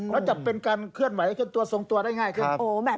แล้วจะเป็นการเคลื่อนไหวเคลื่อนตัวทรงตัวได้ง่ายขึ้น